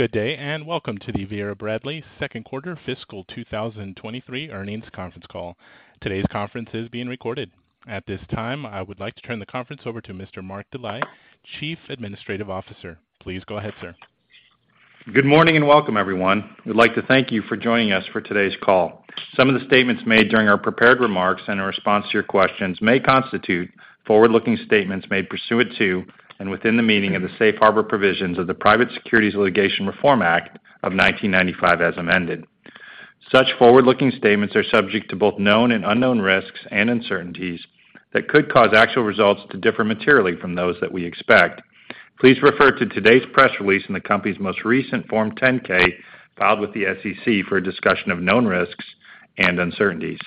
Good day, and welcome to the Vera Bradley Q2 fiscal 2023 earnings conference call. Today's conference is being recorded. At this time, I would like to turn the conference over to Mr. Mark Dely, Chief Administrative Officer. Please go ahead, sir. Good morning, and welcome everyone. We'd like to thank you for joining us for today's call. Some of the statements made during our prepared remarks and in response to your questions may constitute forward-looking statements made pursuant to and within the meaning of the Safe Harbor Provisions of the Private Securities Litigation Reform Act of 1995 as amended. Such forward-looking statements are subject to both known and unknown risks and uncertainties that could cause actual results to differ materially from those that we expect. Please refer to today's press release in the company's most recent Form 10-K filed with the SEC for a discussion of known risks and uncertainties.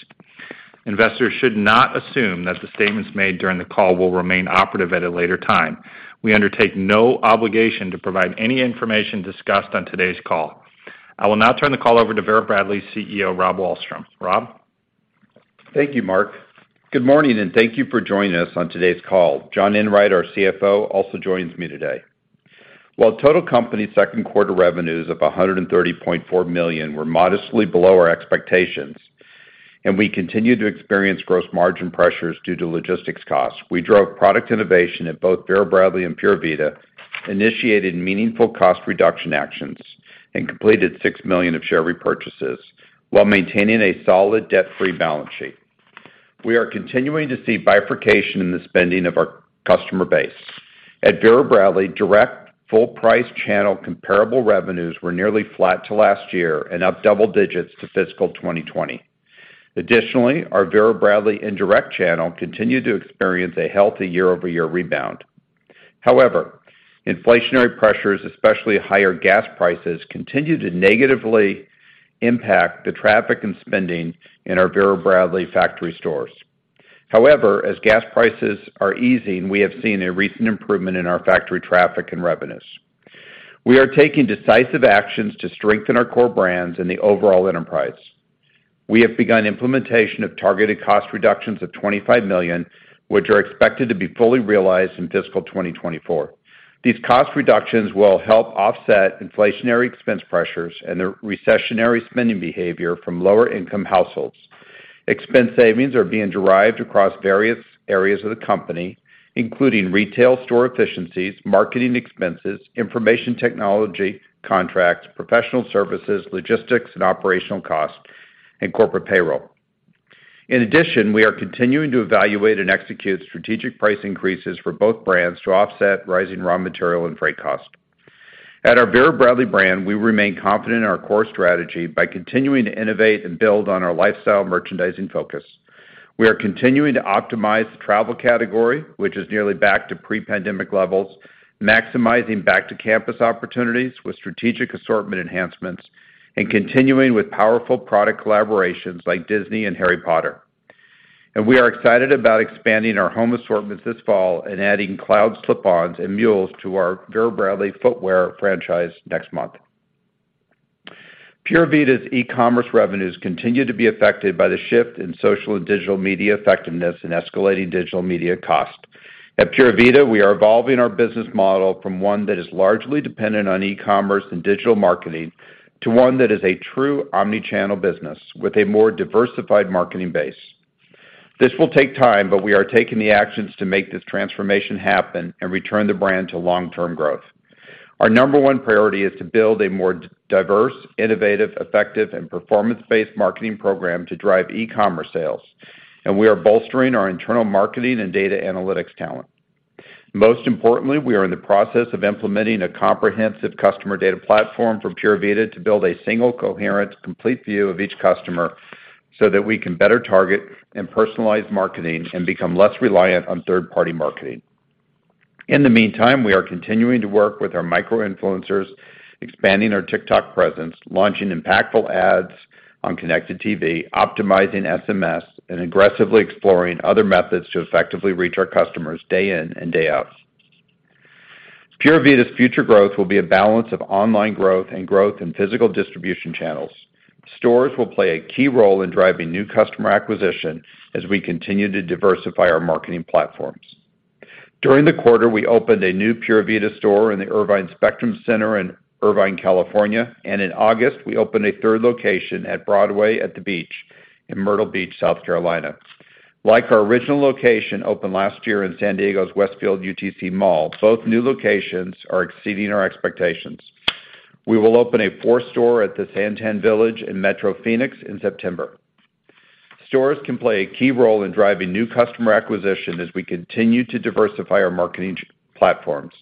Investors should not assume that the statements made during the call will remain operative at a later time. We undertake no obligation to provide any information discussed on today's call. I will now turn the call over to Vera Bradley's CEO, Rob Wallstrom. Rob? Thank you, Mark. Good morning, and thank you for joining us on today's call. John Enwright, our CFO, also joins me today. While total company Q2 revenues of $130.4 million were modestly below our expectations, and we continue to experience gross margin pressures due to logistics costs, we drove product innovation at both Vera Bradley and Pura Vida, initiated meaningful cost reduction actions, and completed $6 million of share repurchases while maintaining a solid debt-free balance sheet. We are continuing to see bifurcation in the spending of our customer base. At Vera Bradley, direct full price channel comparable revenues were nearly flat to last year and up double digits to fiscal 2020. Additionally, our Vera Bradley indirect channel continued to experience a healthy year-over-year rebound. However, inflationary pressures, especially higher gas prices, continued to negatively impact the traffic and spending in our Vera Bradley factory stores. However, as gas prices are easing, we have seen a recent improvement in our factory traffic and revenues. We are taking decisive actions to strengthen our core brands in the overall enterprise. We have begun implementation of targeted cost reductions of $25 million, which are expected to be fully realized in fiscal 2024. These cost reductions will help offset inflationary expense pressures and the recessionary spending behavior from lower income households. Expense savings are being derived across various areas of the company, including retail store efficiencies, marketing expenses, information technology contracts, professional services, logistics and operational costs, and corporate payroll. In addition, we are continuing to evaluate and execute strategic price increases for both brands to offset rising raw material and freight costs. At our Vera Bradley brand, we remain confident in our core strategy by continuing to innovate and build on our lifestyle merchandising focus. We are continuing to optimize the travel category, which is nearly back to pre-pandemic levels, maximizing back to campus opportunities with strategic assortment enhancements and continuing with powerful product collaborations like Disney and Harry Potter. We are excited about expanding our home assortments this fall and adding VB Cloud slip-ons and mules to our Vera Bradley footwear franchise next month. Pura Vida's e-commerce revenues continue to be affected by the shift in social and digital media effectiveness and escalating digital media costs. At Pura Vida, we are evolving our business model from one that is largely dependent on e-commerce and digital marketing to one that is a true omni-channel business with a more diversified marketing base. This will take time, but we are taking the actions to make this transformation happen and return the brand to long-term growth. Our number one priority is to build a more diverse, innovative, effective and performance-based marketing program to drive e-commerce sales, and we are bolstering our internal marketing and data analytics talent. Most importantly, we are in the process of implementing a comprehensive customer data platform from Pura Vida to build a single coherent, complete view of each customer so that we can better target and personalize marketing and become less reliant on third-party marketing. In the meantime, we are continuing to work with our micro-influencers, expanding our TikTok presence, launching impactful ads on connected TV, optimizing SMS, and aggressively exploring other methods to effectively reach our customers day in and day out. Pura Vida's future growth will be a balance of online growth and growth in physical distribution channels. Stores will play a key role in driving new customer acquisition as we continue to diversify our marketing platforms. During the quarter, we opened a new Pura Vida store in the Irvine Spectrum Center in Irvine, California, and in August, we opened a third location at Broadway at the Beach in Myrtle Beach, South Carolina. Like our original location opened last year in San Diego's Westfield UTC Mall, both new locations are exceeding our expectations. We will open a fourth store at the SanTan Village in Metro Phoenix in September. Stores can play a key role in driving new customer acquisition as we continue to diversify our marketing platforms,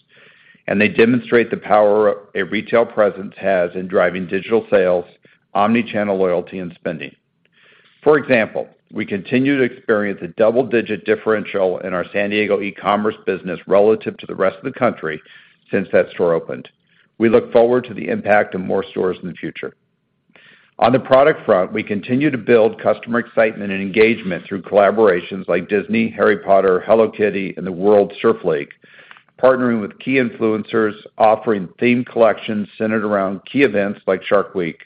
and they demonstrate the power a retail presence has in driving digital sales, omni-channel loyalty, and spending. For example, we continue to experience a double-digit differential in our San Diego e-commerce business relative to the rest of the country since that store opened. We look forward to the impact of more stores in the future. On the product front, we continue to build customer excitement and engagement through collaborations like Disney, Harry Potter, Hello Kitty, and the World Surf League, partnering with key influencers, offering themed collections centered around key events like Shark Week,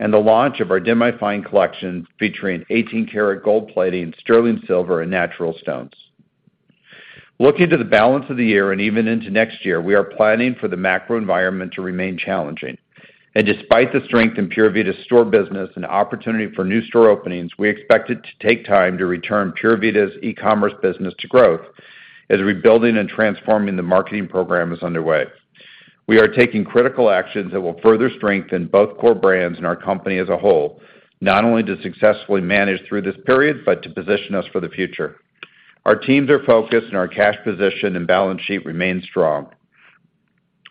and the launch of our Demi-Fine collection featuring 18-karat gold plating, sterling silver, and natural stones. Looking to the balance of the year and even into next year, we are planning for the macro environment to remain challenging. Despite the strength in Pura Vida's store business and opportunity for new store openings, we expect it to take time to return Pura Vida's e-commerce business to growth as rebuilding and transforming the marketing program is underway. We are taking critical actions that will further strengthen both core brands and our company as a whole, not only to successfully manage through this period, but to position us for the future. Our teams are focused, and our cash position and balance sheet remain strong.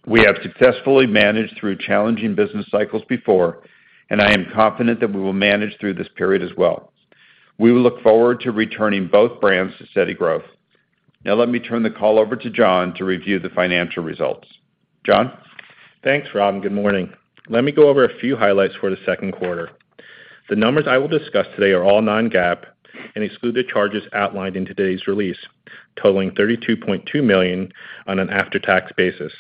We have successfully managed through challenging business cycles before, and I am confident that we will manage through this period as well. We look forward to returning both brands to steady growth. Now let me turn the call over to John to review the financial results. John? Thanks, Rob, and good morning. Let me go over a few highlights for the Q2. The numbers I will discuss today are all non-GAAP and exclude the charges outlined in today's release, totaling $32.2 million on an after-tax basis.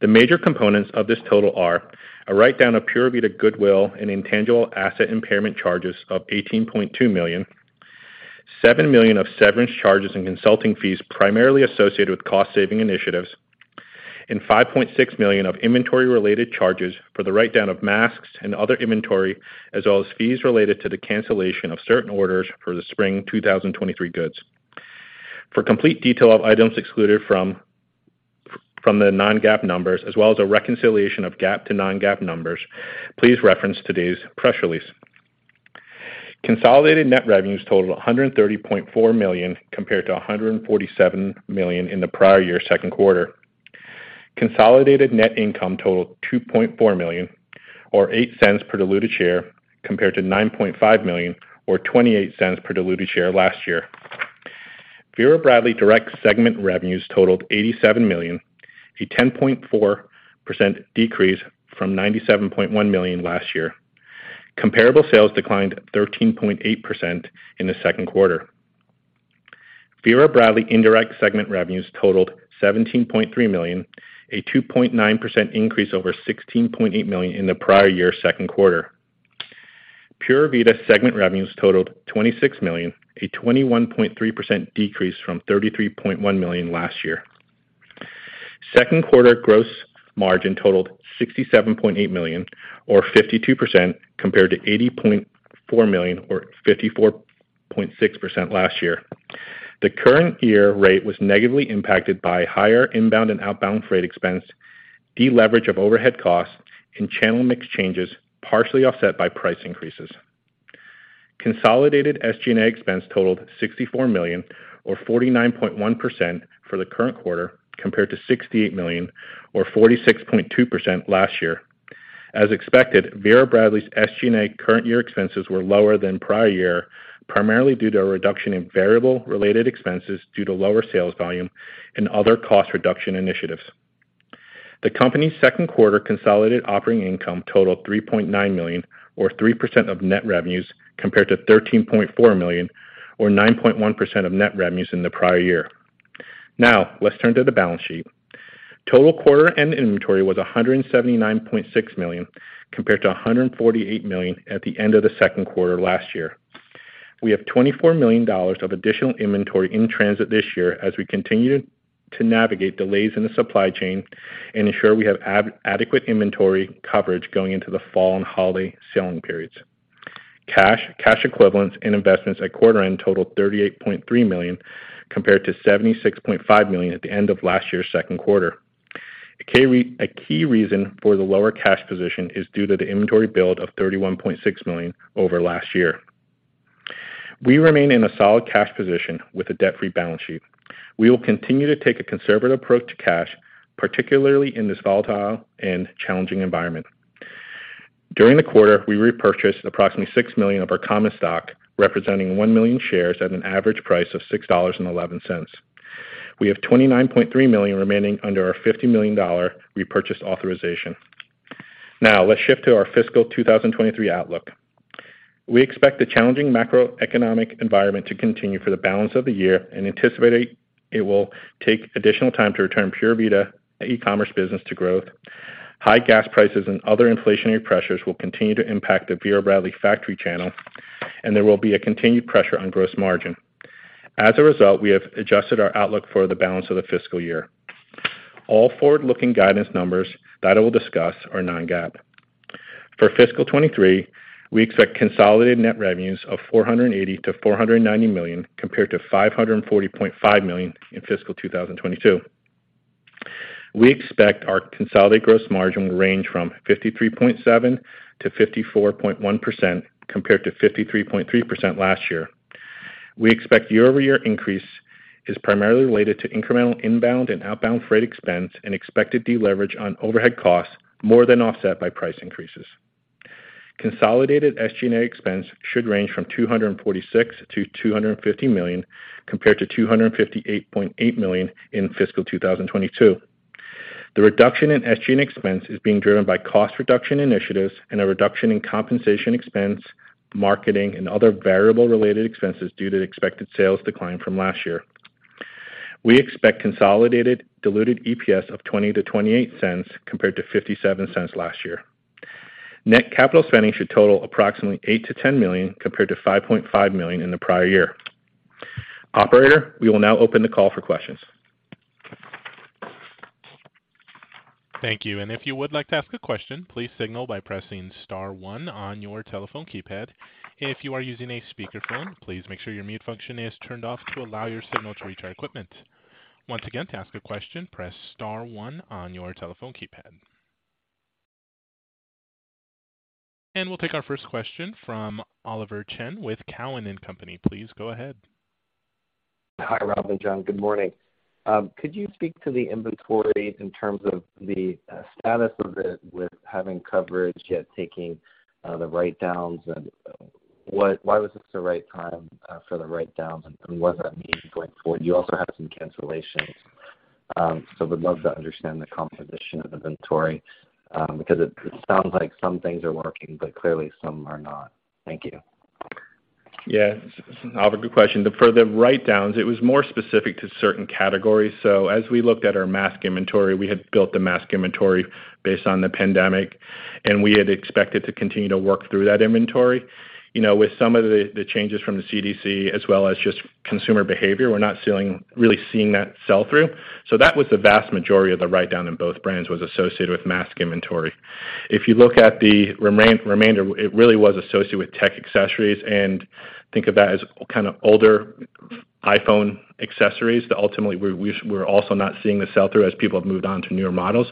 The major components of this total are a write-down of Pura Vida goodwill and intangible asset impairment charges of $18.2 million, $7 million of severance charges and consulting fees primarily associated with cost-saving initiatives, and $5.6 million of inventory-related charges for the write-down of masks and other inventory, as well as fees related to the cancellation of certain orders for the spring 2023 goods. For complete detail of items excluded from the non-GAAP numbers as well as a reconciliation of GAAP to non-GAAP numbers, please reference today's press release. Consolidated net revenues totaled $130.4 million, compared to $147 million in the prior year's Q2. Consolidated net income totaled $2.4 million, or $0.08 per diluted share, compared to $9.5 million, or $0.28 per diluted share last year. Vera Bradley Direct segment revenues totaled $87 million, a 10.4% decrease from $97.1 million last year. Comparable sales declined 13.8% in the Q2. Vera Bradley Indirect segment revenues totaled $17.3 million, a 2.9% increase over $16.8 million in the prior year's Q2. Pura Vida segment revenues totaled $26 million, a 21.3% decrease from $33.1 million last year. Q2 gross margin totaled $67.8 million or 52% compared to $80.4 million or 54.6% last year. The current year rate was negatively impacted by higher inbound and outbound freight expense, deleverage of overhead costs, and channel mix changes, partially offset by price increases. Consolidated SG&A expense totaled $64 million or 49.1% for the current quarter, compared to $68 million or 46.2% last year. As expected, Vera Bradley's SG&A current year expenses were lower than prior year, primarily due to a reduction in variable-related expenses due to lower sales volume and other cost reduction initiatives. The company's Q2 consolidated operating income totaled $3.9 million or 3% of net revenues, compared to $13.4 million or 9.1% of net revenues in the prior year. Now let's turn to the balance sheet. Total quarter end inventory was $179.6 million, compared to $148 million at the end of the Q2 last year. We have $24 million of additional inventory in transit this year as we continue to navigate delays in the supply chain and ensure we have adequate inventory coverage going into the fall and holiday selling periods. Cash, cash equivalents, and investments at quarter end totaled $38.3 million, compared to $76.5 million at the end of last year's Q2. A key reason for the lower cash position is due to the inventory build of $31.6 million over last year. We remain in a solid cash position with a debt-free balance sheet. We will continue to take a conservative approach to cash, particularly in this volatile and challenging environment. During the quarter, we repurchased approximately $6 million of our common stock, representing 1 million shares at an average price of $6.11. We have $29.3 million remaining under our $50 million repurchase authorization. Now let's shift to our fiscal 2023 outlook. We expect the challenging macroeconomic environment to continue for the balance of the year and anticipate it will take additional time to return Pura Vida e-commerce business to growth. High gas prices and other inflationary pressures will continue to impact the Vera Bradley factory channel, and there will be a continued pressure on gross margin. As a result, we have adjusted our outlook for the balance of the fiscal year. All forward-looking guidance numbers that I will discuss are non-GAAP. For fiscal 2023, we expect consolidated net revenues of $480 million-$490 million compared to $540.5 million in fiscal 2022. We expect our consolidated gross margin will range from 53.7%-54.1% compared to 53.3% last year. We expect year-over-year increase is primarily related to incremental inbound and outbound freight expense and expected deleverage on overhead costs more than offset by price increases. Consolidated SG&A expense should range from $246 million-$250 million compared to $258.8 million in fiscal 2022. The reduction in SG&A expense is being driven by cost reduction initiatives and a reduction in compensation expense, marketing, and other variable-related expenses due to the expected sales decline from last year. We expect consolidated diluted EPS of $0.20-$0.28 compared to $0.57 last year. Net capital spending should total approximately $8-10 million compared to $5.5 million in the prior year. Operator, we will now open the call for questions. Thank you. If you would like to ask a question, please signal by pressing star one on your telephone keypad. If you are using a speakerphone, please make sure your mute function is turned off to allow your signal to reach our equipment. Once again, to ask a question, press star one on your telephone keypad. We'll take our first question from Oliver Chen with Cowen and Company. Please go ahead. Hi, Rob and John. Good morning. Could you speak to the inventory in terms of the status of it with having coverage, yet taking the write-downs and why was this the right time for the write-downs and what that means going forward? You also have some cancellations, so would love to understand the composition of inventory because it sounds like some things are working, but clearly some are not. Thank you. Yeah. Oliver, good question. For the write-downs, it was more specific to certain categories. As we looked at our mask inventory, we had built the mask inventory based on the pandemic, and we had expected to continue to work through that inventory. You know, with some of the changes from the CDC, as well as just consumer behavior, we're not really seeing that sell through. That was the vast majority of the write-down in both brands was associated with mask inventory. If you look at the remainder, it really was associated with tech accessories and think of that as kind of older iPhone accessories that ultimately we're also not seeing the sell-through as people have moved on to newer models.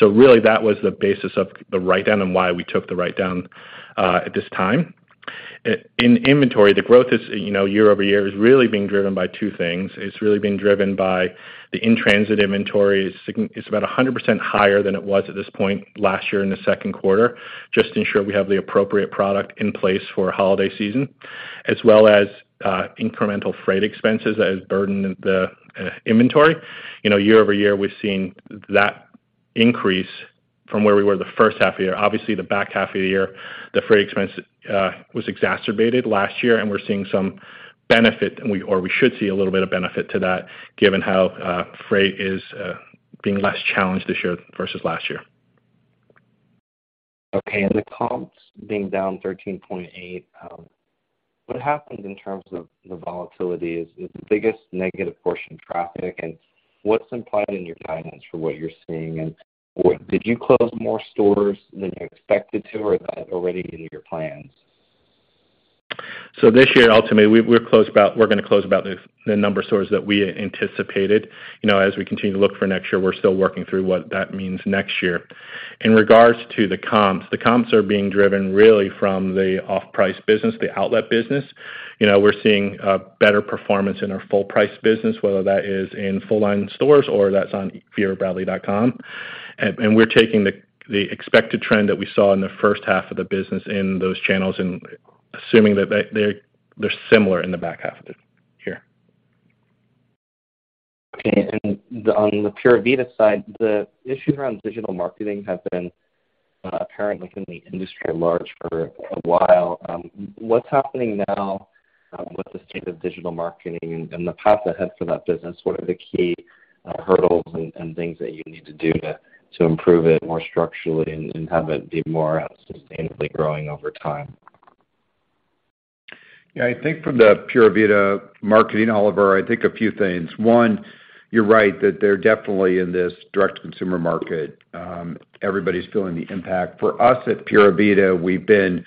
Really, that was the basis of the write-down and why we took the write-down at this time. In inventory, the growth is, you know, year-over-year is really being driven by two things. It's really being driven by the in-transit inventories. It's about 100% higher than it was at this point last year in the Q2, just to ensure we have the appropriate product in place for holiday season, as well as incremental freight expenses that has burdened the inventory. You know, year-over-year, we've seen that increase from where we were the first half of the year. Obviously, the back half of the year, the freight expense was exacerbated last year, and we're seeing some benefit, or we should see a little bit of benefit to that, given how freight is being less challenged this year versus last year. Okay. The comps being down 13.8%, what happened in terms of the volatility? Is the biggest negative portion traffic, and what's implied in your guidance for what you're seeing? Did you close more stores than you expected to, or that had already been in your plans? This year, ultimately, we're gonna close about the number of stores that we anticipated. You know, as we continue to look for next year, we're still working through what that means next year. In regards to the comps, the comps are being driven really from the off-price business, the outlet business. You know, we're seeing a better performance in our full price business, whether that is in full line stores or that's on verabradley.com. We're taking the expected trend that we saw in the first half of the business in those channels and assuming that they're similar in the back half of the year. Okay. On the Pura Vida side, the issues around digital marketing have been apparent within the industry at large for a while. What's happening now with the state of digital marketing and the path ahead for that business? What are the key hurdles and things that you need to do to improve it more structurally and have it be more sustainably growing over time? Yeah. I think from the Pura Vida marketing, Oliver, I think a few things. One, you're right that they're definitely in this direct consumer market, everybody's feeling the impact. For us at Pura Vida, we've been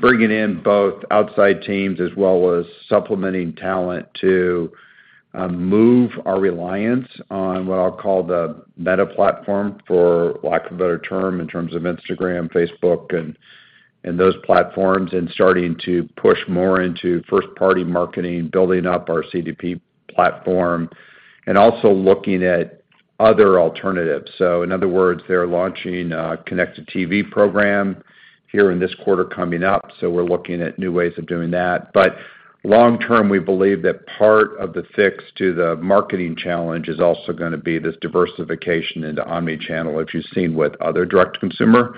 bringing in both outside teams as well as supplementing talent to move our reliance on what I'll call the Meta platform, for lack of a better term, in terms of Instagram, Facebook, and those platforms, and starting to push more into first party marketing, building up our CDP platform, and also looking at other alternatives. In other words, they're launching a connected TV program here in this quarter coming up, so we're looking at new ways of doing that. Long term, we believe that part of the fix to the marketing challenge is also gonna be this diversification into omni-channel, which you've seen with other direct consumer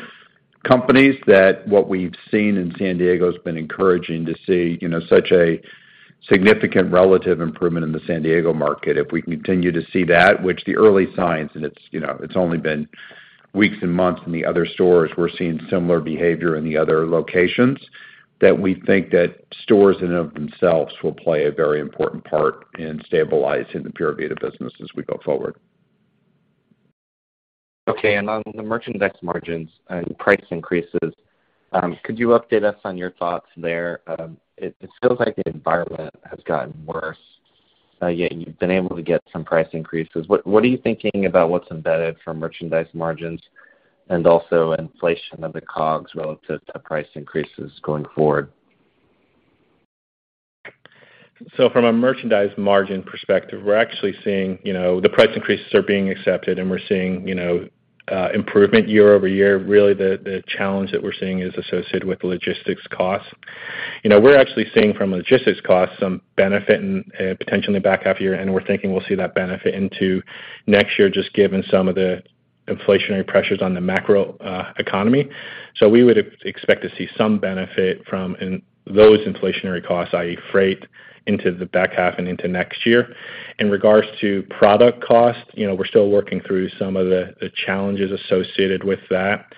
companies, that what we've seen in San Diego has been encouraging to see, you know, such a significant relative improvement in the San Diego market. If we continue to see that, which the early signs and it's, you know, it's only been weeks and months in the other stores, we're seeing similar behavior in the other locations, that we think that stores in and of themselves will play a very important part in stabilizing the Pura Vida business as we go forward. Okay. On the merchandise margins and price increases, could you update us on your thoughts there? It feels like the environment has gotten worse, yet you've been able to get some price increases. What are you thinking about what's embedded for merchandise margins and also inflation of the COGS relative to price increases going forward? From a merchandise margin perspective, we're actually seeing, you know, the price increases are being accepted and we're seeing, you know, improvement year-over-year. Really the challenge that we're seeing is associated with logistics costs. You know, we're actually seeing from a logistics cost some benefit in potentially in the back half year, and we're thinking we'll see that benefit into next year just given some of the inflationary pressures on the macro economy. We would expect to see some benefit from those inflationary costs, i.e. freight, into the back half and into next year. In regards to product cost, you know, we're still working through some of the challenges associated with that,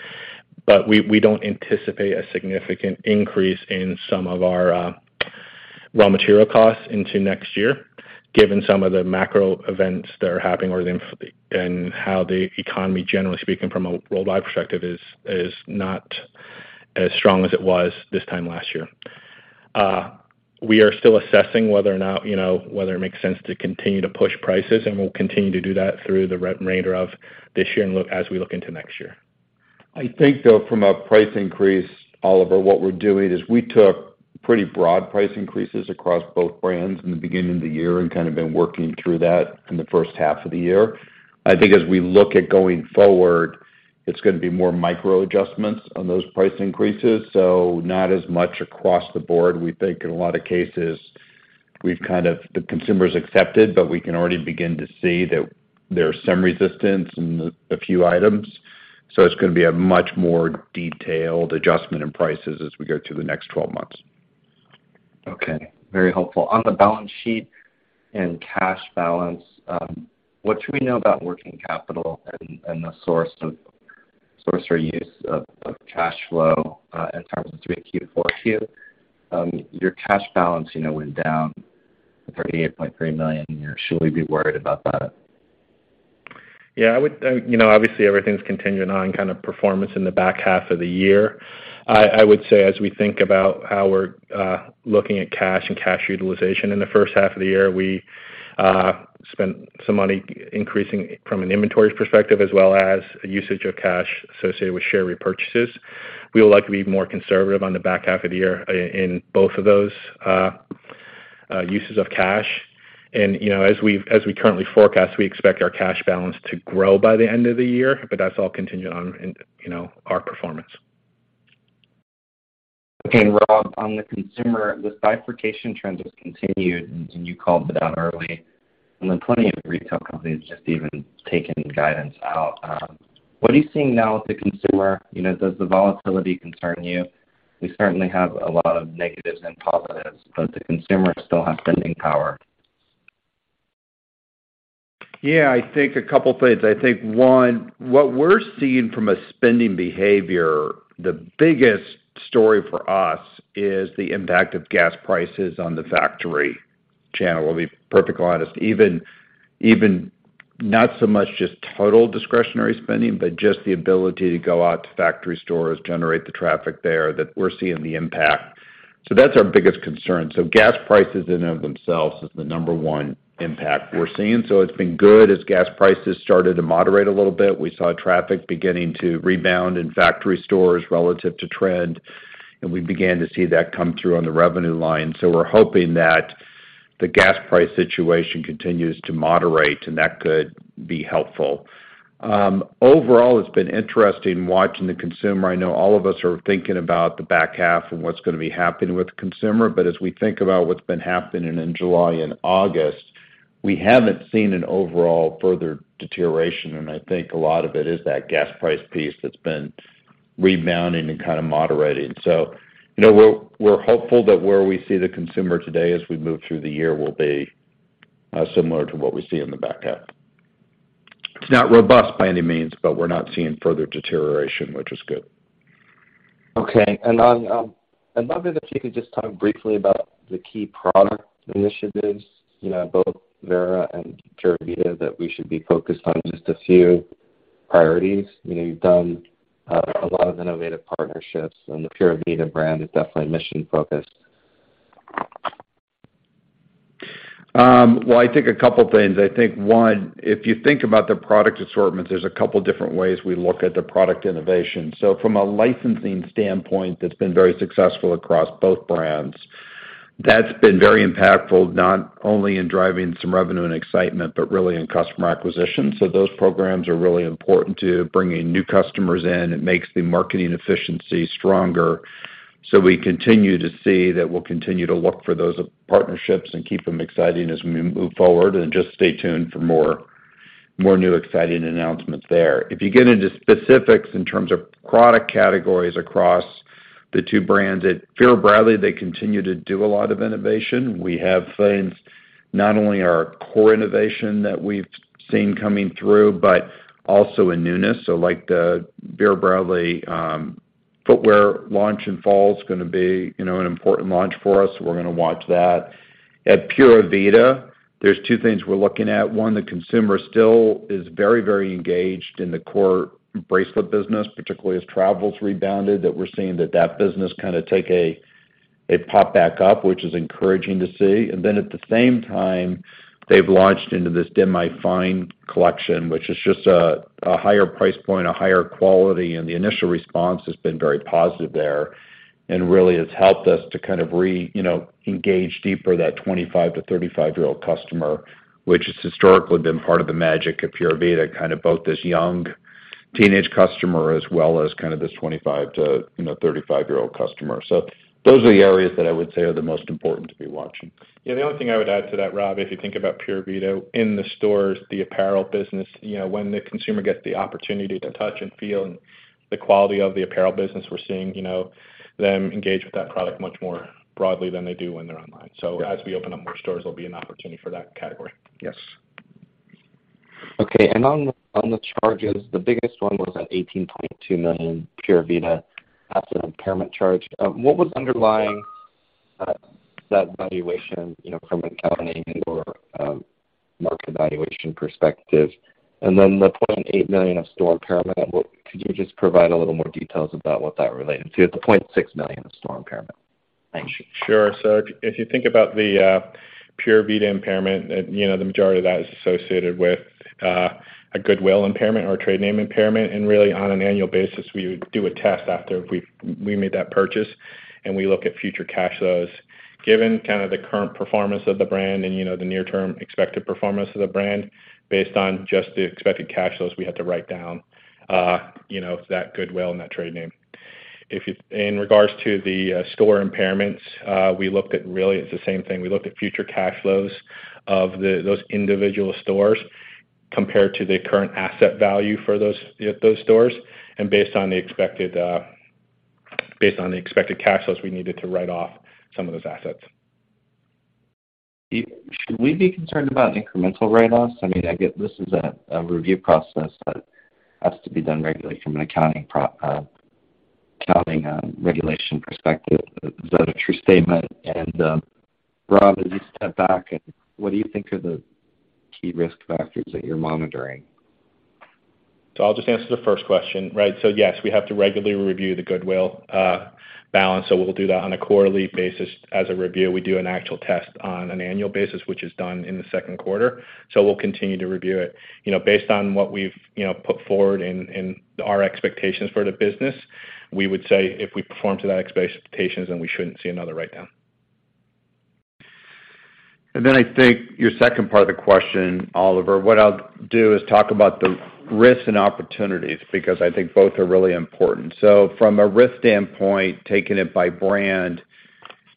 but we don't anticipate a significant increase in some of our raw material costs into next year, given some of the macro events that are happening or the inflation and how the economy, generally speaking from a worldwide perspective, is not as strong as it was this time last year. We are still assessing whether or not, you know, whether it makes sense to continue to push prices, and we'll continue to do that through the remainder of this year as we look into next year. I think though from a price increase, Oliver, what we're doing is we took pretty broad price increases across both brands in the beginning of the year and kind of been working through that in the H1 of the year. I think as we look at going forward, it's gonna be more micro adjustments on those price increases, so not as much across the board. We think in a lot of cases we've kind of, the consumers accepted, but we can already begin to see that there's some resistance in a few items. It's gonna be a much more detailed adjustment in prices as we go through the next 12 months. Okay. Very helpful. On the balance sheet and cash balance, what should we know about working capital and the source or use of cash flow in terms of Q4 to 4Q? Your cash balance went down $38.3 million year-over-year. Should we be worried about that? I would, you know, obviously, everything's contingent on kind of performance in the back half of the year. I would say as we think about how we're looking at cash and cash utilization in the first half of the year, we spent some money increasing from an inventory perspective as well as usage of cash associated with share repurchases. We would like to be more conservative on the back half of the year in both of those uses of cash. You know, as we currently forecast, we expect our cash balance to grow by the end of the year, but that's all contingent on, you know, our performance. Okay. Rob Wallstrom, on the consumer, this bifurcation trend has continued, and you called it out early, and then plenty of retail companies just even taking guidance out. What are you seeing now with the consumer? You know, does the volatility concern you? We certainly have a lot of negatives and positives, but the consumers still have spending power. Yeah. I think a couple things. I think, one, what we're seeing from a spending behavior, the biggest story for us is the impact of gas prices on the factory channel. We'll be perfectly honest. Even not so much just total discretionary spending, but just the ability to go out to factory stores, generate the traffic there, that we're seeing the impact. That's our biggest concern. Gas prices in and of themselves is the number one impact we're seeing. It's been good. As gas prices started to moderate a little bit, we saw traffic beginning to rebound in factory stores relative to trend, and we began to see that come through on the revenue line. We're hoping that the gas price situation continues to moderate, and that could be helpful. Overall, it's been interesting watching the consumer. I know all of us are thinking about the back half and what's gonna be happening with the consumer. As we think about what's been happening in July and August, we haven't seen an overall further deterioration, and I think a lot of it is that gas price piece that's been rebounding and kind of moderating. You know, we're hopeful that where we see the consumer today as we move through the year will be similar to what we see in the back half. It's not robust by any means, but we're not seeing further deterioration, which is good. Okay. I'd love it if you could just talk briefly about the key product initiatives, you know, both Vera and Pura Vida, that we should be focused on just a few priorities. You know, you've done a lot of innovative partnerships, and the Pura Vida brand is definitely mission-focused. Well, I think a couple things. I think, one, if you think about the product assortment, there's a couple different ways we look at the product innovation. From a licensing standpoint, that's been very successful across both brands. That's been very impactful, not only in driving some revenue and excitement, but really in customer acquisition. Those programs are really important to bringing new customers in. It makes the marketing efficiency stronger. We continue to see that we'll continue to look for those partnerships and keep them exciting as we move forward, and just stay tuned for more new exciting announcements there. If you get into specifics in terms of product categories across the two brands, at Vera Bradley, they continue to do a lot of innovation. We have things, not only our core innovation that we've seen coming through, but also in newness. Like the Vera Bradley footwear launch in fall is gonna be, you know, an important launch for us. We're gonna watch that. At Pura Vida, there's two things we're looking at. One, the consumer still is very, very engaged in the core bracelet business, particularly as travel's rebounded, that we're seeing that business kinda take a pop back up, which is encouraging to see. At the same time, they've launched into this Demi-Fine collection, which is just a higher price point, a higher quality, and the initial response has been very positive there, and really has helped us to kind of you know engage deeper that 25-35-year-old customer, which has historically been part of the magic of Pura Vida, kind of both this young teenage customer as well as kind of this 25-35-year-old customer. Those are the areas that I would say are the most important to be watching. Yeah. The only thing I would add to that, Rob, if you think about Pura Vida in the stores, the apparel business, you know, when the consumer gets the opportunity to touch and feel the quality of the apparel business, we're seeing, you know, them engage with that product much more broadly than they do when they're online. As we open up more stores, there'll be an opportunity for that category. Yes. Okay. On the charges, the biggest one was that $18.2 million Pura Vida asset impairment charge. What was underlying that valuation, you know, from an accounting and/or market valuation perspective? Then the $0.8 million of store impairment, what could you just provide a little more details about what that related to, the $0.6 million of store impairment? Thanks. Sure. If you think about the Pura Vida impairment, and you know, the majority of that is associated with a goodwill impairment or a trade name impairment. Really, on an annual basis, we would do a test after we made that purchase, and we look at future cash flows. Given kind of the current performance of the brand and you know, the near-term expected performance of the brand, based on just the expected cash flows, we had to write down you know, that goodwill and that trade name. In regards to the store impairments, we looked at, really, it's the same thing. We looked at future cash flows of those individual stores compared to the current asset value for those stores. Based on the expected cash flows, we needed to write off some of those assets. Should we be concerned about incremental write-offs? I mean, I get this is a review process that has to be done regularly from an accounting regulation perspective. Is that a true statement? Rob, as you step back and what do you think are the key risk factors that you're monitoring? I'll just answer the first question, right. Yes, we have to regularly review the goodwill balance. We'll do that on a quarterly basis as a review. We do an actual test on an annual basis, which is done in the Q2. We'll continue to review it. You know, based on what we've, you know, put forward in our expectations for the business, we would say if we perform to those expectations, then we shouldn't see another write-down. I think your second part of the question, Oliver, what I'll do is talk about the risks and opportunities because I think both are really important. From a risk standpoint, taking it by brand,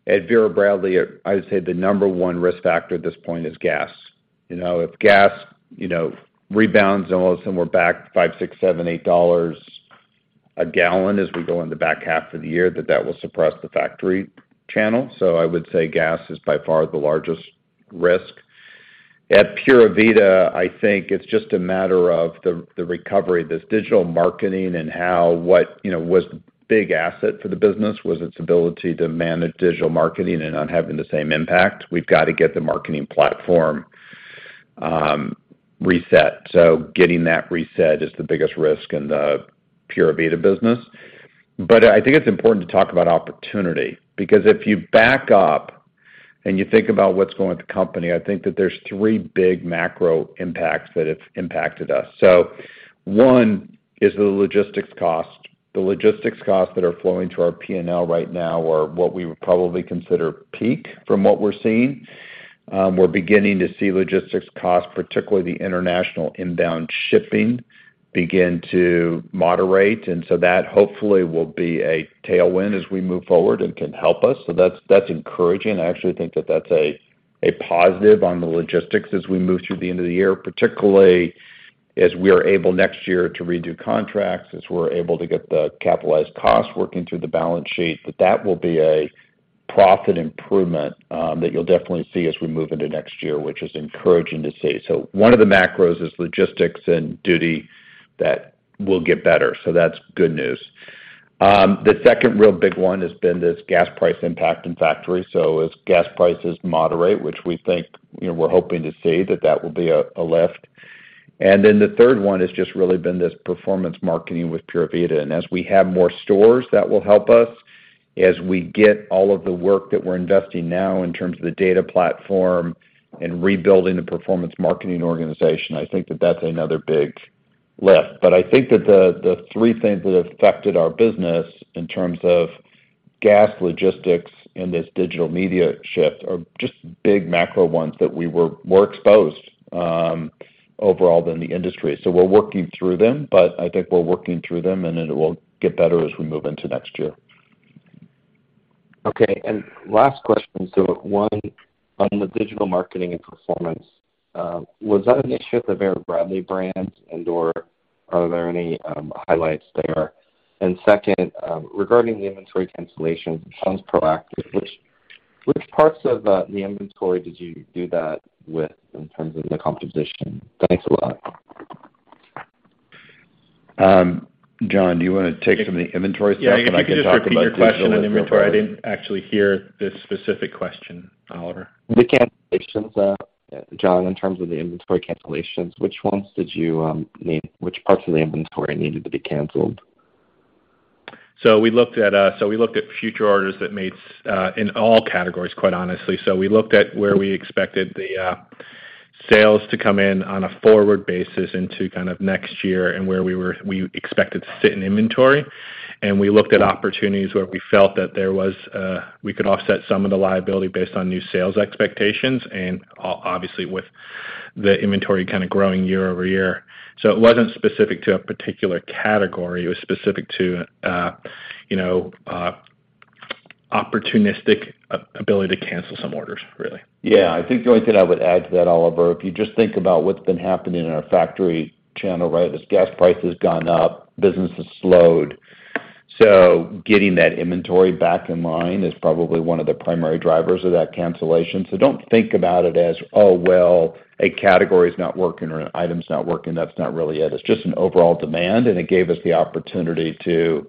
at Vera Bradley, I would say the number one risk factor at this point is gas. You know, if gas, you know, rebounds and all of a sudden we're back $5, $6, $7, $8 a gallon as we go in the back half of the year, that will suppress the factory channel. I would say gas is by far the largest risk. At Pura Vida, I think it's just a matter of the recovery, this digital marketing and how what, you know, was a big asset for the business was its ability to manage digital marketing and not having the same impact. We've got to get the marketing platform reset. Getting that reset is the biggest risk in the Pura Vida business. I think it's important to talk about opportunity because if you back up and you think about what's going on with the company, I think that there's three big macro impacts that have impacted us. One is the logistics cost. The logistics costs that are flowing to our P&L right now are what we would probably consider peak from what we're seeing. We're beginning to see logistics costs, particularly the international inbound shipping, begin to moderate, and so that hopefully will be a tailwind as we move forward and can help us. That's encouraging. I actually think that that's a positive on the logistics as we move through the end of the year, particularly as we are able next year to redo contracts, as we're able to get the capitalized costs working through the balance sheet, that will be a profit improvement, that you'll definitely see as we move into next year, which is encouraging to see. One of the macros is logistics and duty that will get better. That's good news. The second real big one has been this gas price impact in factory. As gas prices moderate, which we think, you know, we're hoping to see, that will be a lift. The third one has just really been this performance marketing with Pura Vida. As we have more stores, that will help us. As we get all of the work that we're investing now in terms of the data platform and rebuilding the performance marketing organization, I think that that's another big lift. I think that the three things that have affected our business in terms of gas, logistics, and this digital media shift are just big macro ones that we were more exposed overall than the industry. We're working through them, but I think we're working through them, and then it will get better as we move into next year. Okay. Last question. One on the digital marketing and performance, was that an issue with the Vera Bradley brands and/or are there any highlights there? Second, regarding the inventory cancellations, it sounds proactive. Which parts of the inventory did you do that with in terms of the composition? Thanks a lot. John, do you wanna take some of the inventory stuff, and I can just talk about digital? Yeah, if you could just repeat your question on inventory. I didn't actually hear the specific question, Oliver. The cancellations, John, in terms of the inventory cancellations, which parts of the inventory needed to be canceled? We looked at future orders that we made in all categories, quite honestly. We looked at where we expected the sales to come in on a forward basis into kind of next year and where we expected to sit in inventory. We looked at opportunities where we felt that we could offset some of the liability based on new sales expectations and obviously with the inventory kind of growing year over year. It wasn't specific to a particular category. It was specific to, you know, opportunistic ability to cancel some orders, really. Yeah. I think the only thing I would add to that, Oliver, if you just think about what's been happening in our factory channel, right? As gas price has gone up, business has slowed. Getting that inventory back in line is probably one of the primary drivers of that cancellation. Don't think about it as, "Oh, well, a category is not working or an item's not working." That's not really it. It's just an overall demand, and it gave us the opportunity to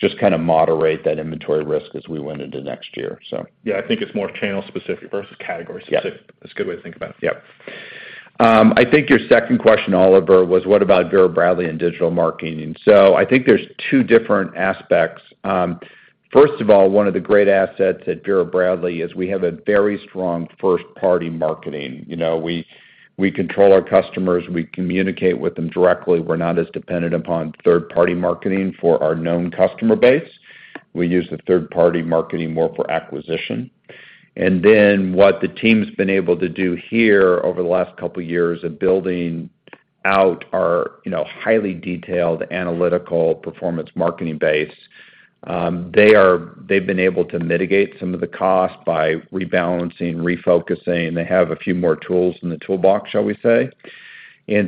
just kinda moderate that inventory risk as we went into next year, so. Yeah, I think it's more channel specific versus category specific. Yeah. That's a good way to think about it. Yep. I think your second question, Oliver, was what about Vera Bradley and digital marketing. I think there's two different aspects. First of all, one of the great assets at Vera Bradley is we have a very strong first-party marketing. You know, we control our customers, we communicate with them directly. We're not as dependent upon third-party marketing for our known customer base. We use the third-party marketing more for acquisition. Then what the team's been able to do here over the last couple years of building out our, you know, highly detailed analytical performance marketing base, they've been able to mitigate some of the cost by rebalancing, refocusing. They have a few more tools in the toolbox, shall we say.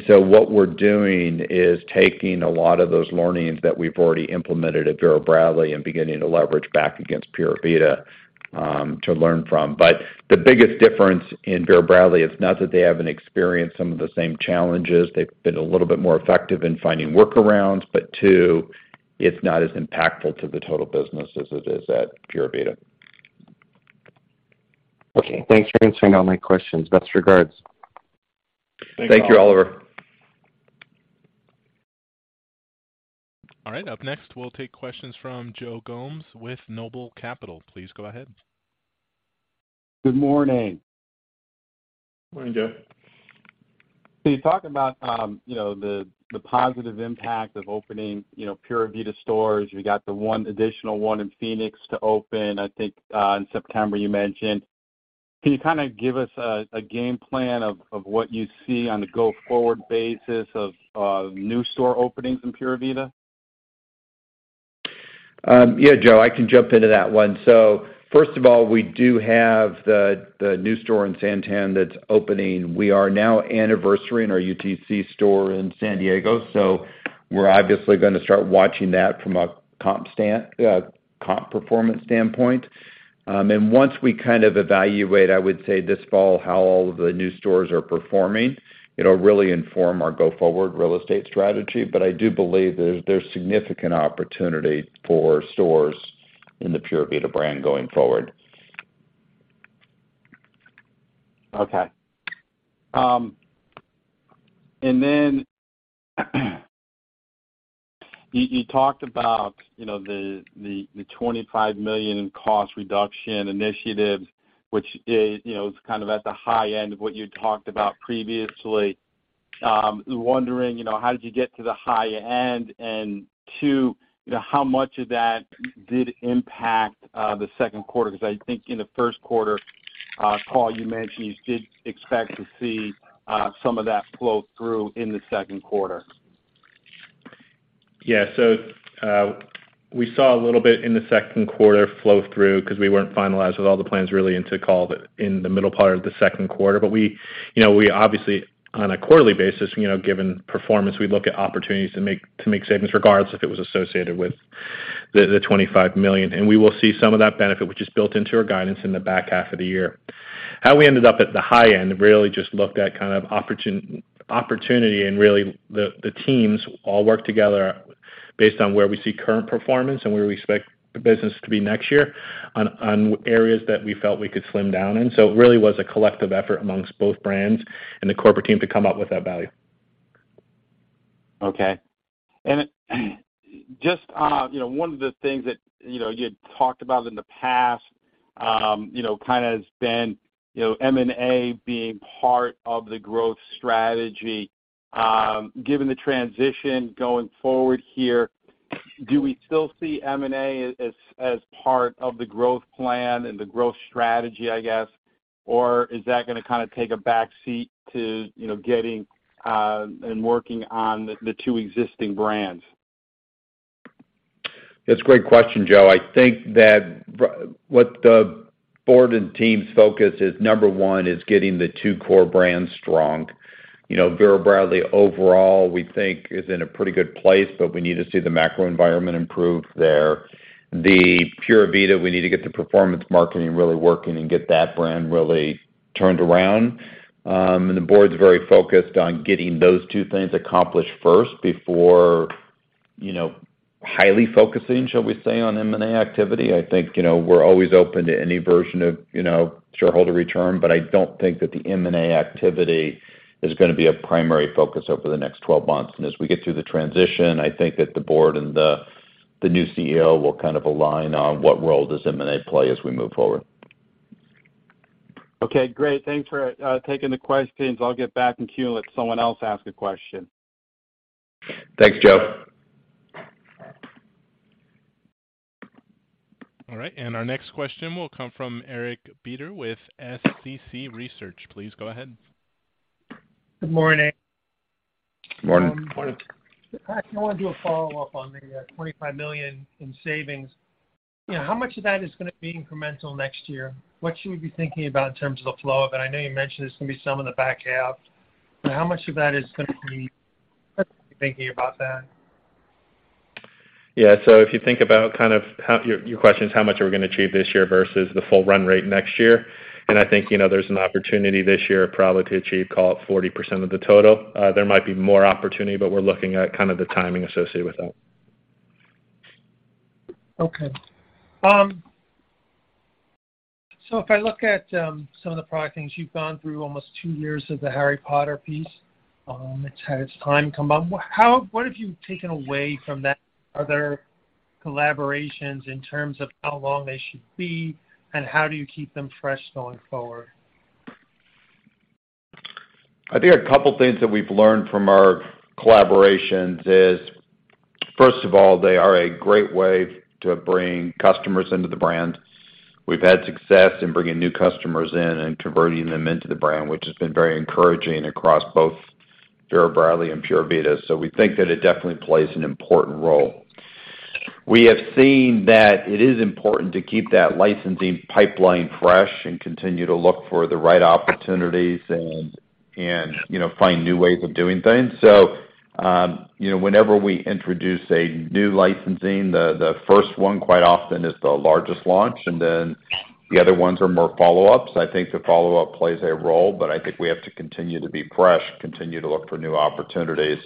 What we're doing is taking a lot of those learnings that we've already implemented at Vera Bradley and beginning to leverage back against Pura Vida, to learn from. The biggest difference in Vera Bradley, it's not that they haven't experienced some of the same challenges. They've been a little bit more effective in finding workarounds, but two, it's not as impactful to the total business as it is at Pura Vida. Okay. Thanks for answering all my questions. Best regards. Thanks, Oliver. Thank you, Oliver. All right. Up next, we'll take questions from Joe Gomes with Noble Capital. Please go ahead. Good morning. Morning, Joe. You talked about, you know, the positive impact of opening, you know, Pura Vida stores. You got the one additional one in Phoenix to open, I think, in September you mentioned. Can you kinda give us a game plan of what you see on the go-forward basis of new store openings in Pura Vida? Yeah, Joe, I can jump into that one. First of all, we do have the new store in SanTan that's opening. We are now anniversary in our UTC store in San Diego, so we're obviously gonna start watching that from a comp performance standpoint. Once we kind of evaluate, I would say this fall, how all of the new stores are performing, it'll really inform our go-forward real estate strategy. I do believe there's significant opportunity for stores in the Pura Vida brand going forward. Okay. You talked about, you know, the $25 million in cost reduction initiatives, which is, you know, kind of at the high end of what you'd talked about previously. Wondering, you know, how did you get to the high end? Two, you know, how much of that did impact the Q2? 'Cause I think in the Q1, John Enwright, you mentioned you did expect to see some of that flow through in the Q2. Yeah. We saw a little bit in the Q2 flow through 'cause we weren't finalized with all the plans really until call it in the middle part of the Q2. We, you know, we obviously, on a quarterly basis, you know, given performance, we look at opportunities to make savings regardless if it was associated with the $25 million. We will see some of that benefit, which is built into our guidance in the back half of the year. How we ended up at the high end, really just looked at kind of opportunity and really the teams all worked together based on where we see current performance and where we expect the business to be next year on areas that we felt we could slim down in. It really was a collective effort among both brands and the corporate team to come up with that value. Okay. Just, you know, one of the things that, you know, you had talked about in the past, you know, kinda has been, you know, M&A being part of the growth strategy. Given the transition going forward here, do we still see M&A as part of the growth plan and the growth strategy, I guess? Or is that gonna kinda take a back seat to, you know, getting and working on the two existing brands? That's a great question, Joe. I think that what the board and team's focus is, number one, is getting the core core brands strong. You know, Vera Bradley overall, we think is in a pretty good place, but we need to see the macro environment improve there. The Pura Vida, we need to get the performance marketing really working and get that brand really turned around. The board's very focused on getting those two things accomplished first before, you know, highly focusing, shall we say, on M&A activity. I think, you know, we're always open to any version of, you know, shareholder return, but I don't think that the M&A activity is gonna be a primary focus over the next 12 months. As we get through the transition, I think that the board and the new CEO will kind of align on what role does M&A play as we move forward. Okay, great. Thanks for taking the questions. I'll get back in queue and let someone else ask a question. Thanks, Joe. All right, our next question will come from Eric Beder with SCC Research. Please go ahead. Good morning. Morning. Morning. Rob Wallstrom, I wanna do a follow-up on the $25 million in savings. Yeah, how much of that is gonna be incremental next year? What should we be thinking about in terms of the flow of it? I know you mentioned there's gonna be some in the back half, but how much of that is gonna be? What should we be thinking about that? Your question is how much are we gonna achieve this year versus the full run rate next year? I think, you know, there's an opportunity this year probably to achieve, call it 40% of the total. There might be more opportunity, but we're looking at kind of the timing associated with that. If I look at some of the product things, you've gone through almost two years of the Harry Potter piece, it's had its time come by. What have you taken away from that? Are there collaborations in terms of how long they should be, and how do you keep them fresh going forward? I think a couple things that we've learned from our collaborations is, first of all, they are a great way to bring customers into the brand. We've had success in bringing new customers in and converting them into the brand, which has been very encouraging across both Vera Bradley and Pura Vida. We think that it definitely plays an important role. We have seen that it is important to keep that licensing pipeline fresh and continue to look for the right opportunities and, you know, find new ways of doing things. You know, whenever we introduce a new licensing, the first one quite often is the largest launch, and then the other ones are more follow-ups. I think the follow-up plays a role, but I think we have to continue to be fresh, continue to look for new opportunities.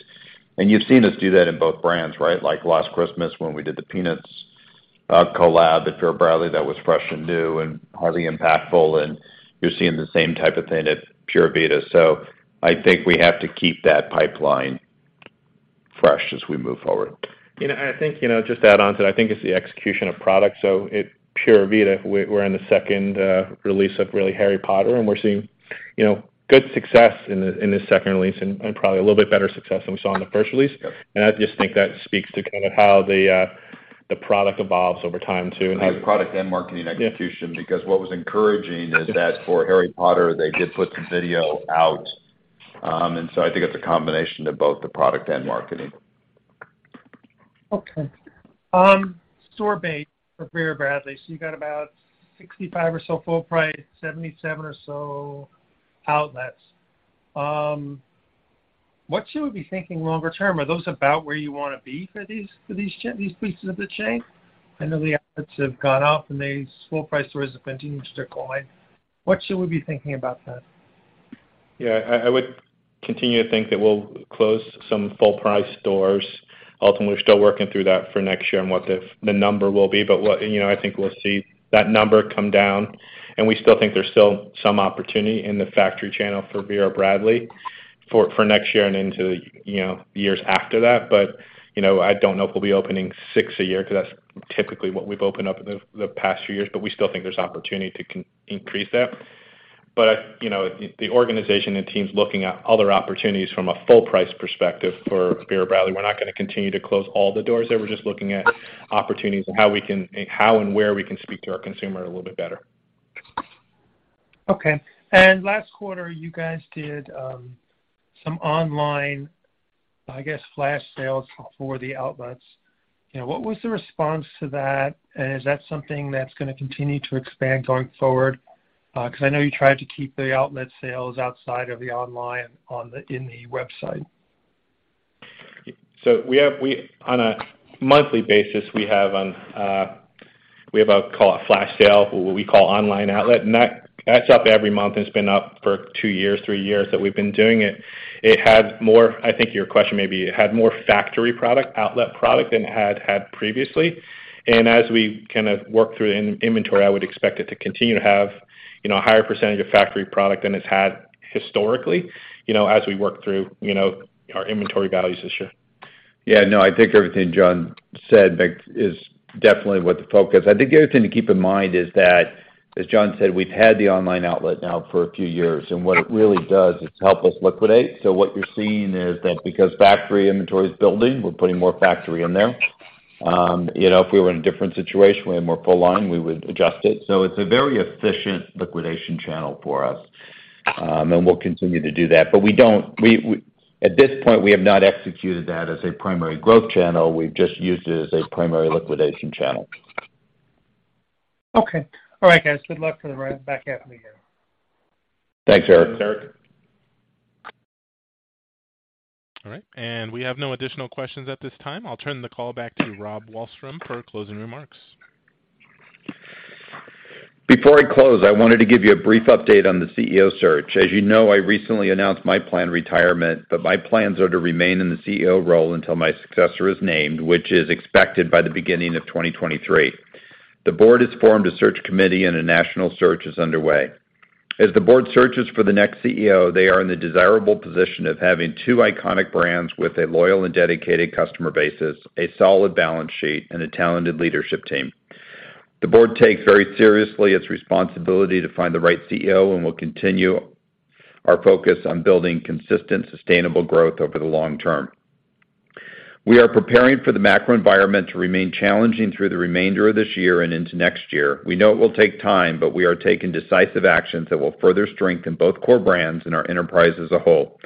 You've seen us do that in both brands, right? Like last Christmas when we did the Peanuts collab at Vera Bradley, that was fresh and new and highly impactful, and you're seeing the same type of thing at Pura Vida. I think we have to keep that pipeline fresh as we move forward. You know, I think, you know, just to add on to that, I think it's the execution of product. At Pura Vida, we're in the second release of really Harry Potter, and we're seeing, you know, good success in the second release and probably a little bit better success than we saw in the first release. Yep. I just think that speaks to kind of how the product evolves over time too. It's product and marketing execution. Yeah. Because what was encouraging is that for Harry Potter, they did put the video out. I think it's a combination of both the product and marketing. Okay. Store base for Vera Bradley. You've got about 65 or so full price, 77 or so outlets. What should we be thinking longer term? Are those about where you wanna be for these pieces of the chain? I know the outlets have gone up and these full price stores have continued to shift online. What should we be thinking about that? Yeah. I would continue to think that we'll close some full-price stores. Ultimately, we're still working through that for next year and what the number will be. You know, I think we'll see that number come down, and we still think there's still some opportunity in the factory channel for Vera Bradley for next year and into, you know, the years after that. You know, I don't know if we'll be opening six a year because that's typically what we've opened up in the past few years. We still think there's opportunity to increase that. You know, the organization and teams looking at other opportunities from a full-price perspective for Vera Bradley. We're not gonna continue to close all the doors there. We're just looking at opportunities and how and where we can speak to our consumer a little bit better. Okay. Last quarter you guys did some online, I guess, flash sales for the outlets. You know, what was the response to that? Is that something that's gonna continue to expand going forward? Because I know you tried to keep the outlet sales outside of the online in the website. On a monthly basis, we have a flash sale, what we call online outlet, and that's up every month, and it's been up for two years, three years that we've been doing it. It had more. I think your question may be had more outlet product than it had had previously. We kind of work through inventory, I would expect it to continue to have, you know, a higher percentage of factory product than it's had historically, you know, as we work through, you know, our inventory values this year. Yeah, no, I think everything John said, like, is definitely what the focus. I think the other thing to keep in mind is that, as John said, we've had the online outlet now for a few years, and what it really does is help us liquidate. What you're seeing is that because factory inventory is building, we're putting more factory in there. You know, if we were in a different situation, we had more full line, we would adjust it. It's a very efficient liquidation channel for us. We'll continue to do that. At this point, we have not executed that as a primary growth channel. We've just used it as a primary liquidation channel. Okay. All right, guys. Good luck for the back half of the year. Thanks, Eric. Thanks, Eric. All right. We have no additional questions at this time. I'll turn the call back to Rob Wallstrom for closing remarks. Before I close, I wanted to give you a brief update on the CEO search. As you know, I recently announced my planned retirement, but my plans are to remain in the CEO role until my successor is named, which is expected by the beginning of 2023. The board has formed a search committee and a national search is underway. As the board searches for the next CEO, they are in the desirable position of having two iconic brands with a loyal and dedicated customer base, a solid balance sheet, and a talented leadership team. The board takes very seriously its responsibility to find the right CEO and will continue our focus on building consistent, sustainable growth over the long term. We are preparing for the macro environment to remain challenging through the remainder of this year and into next year. We know it will take time, but we are taking decisive actions that will further strengthen both core brands and our enterprise as a whole.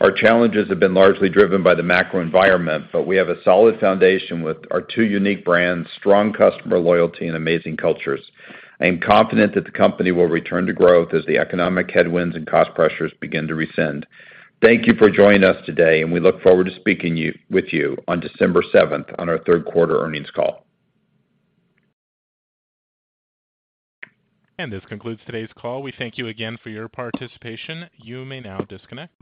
Our challenges have been largely driven by the macro environment, but we have a solid foundation with our two unique brands, strong customer loyalty, and amazing cultures. I am confident that the company will return to growth as the economic headwinds and cost pressures begin to recede. Thank you for joining us today, and we look forward to speaking with you on December 7th on our Q3 earnings call. This concludes today's call. We thank you again for your participation. You may now disconnect.